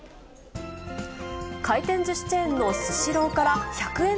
回転ずしチェーンのスシローから１００円